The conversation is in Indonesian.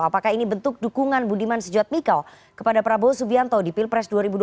apakah ini bentuk dukungan budiman sujadmiko kepada prabowo subianto di pilpres dua ribu dua puluh